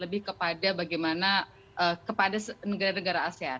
lebih kepada bagaimana kepada negara negara asean